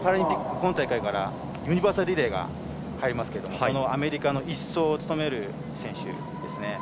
今大会からユニバーサルリレーが入りますけどそのアメリカの１走を務める選手ですね。